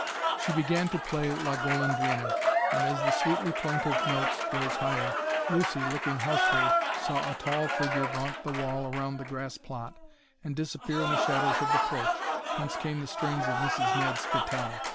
She began to play "La Golondrina," and as the sweetly plaintive notes rose higher, Lucy, looking houseward, saw a tall figure vault the wall around the grass plot and disappear in the shadows of the porch, whence came the strains of Mrs. Ned's guitar.